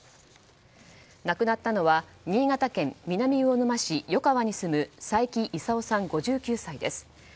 亡くなったのは新潟県南魚沼市余川に住む斎木功さん、５９歳です。